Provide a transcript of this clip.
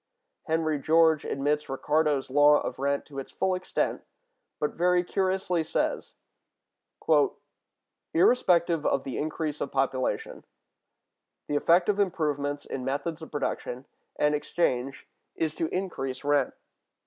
Henry George admits Ricardo's law of rent to its full extent, but very curiously says: "Irrespective of the increase of population, the effect of improvements in methods of production and exchange is to increase rent....